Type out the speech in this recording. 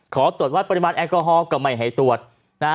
ขอตรวจวัดปริมาณแอลกอฮอลก็ไม่ให้ตรวจนะฮะ